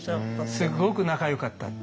すっごく仲よかったって。